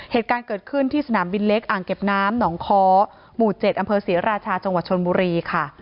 เหตุการณ์เกิดขึ้นที่สนามบินเล็กอ่างเก็บน้ำหนองคอหมู่๗อำเภอศรีราชาจังหวัดชนบุรีค่ะ